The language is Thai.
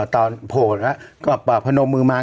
โผล่แล้วก็ปอบพนมมือมา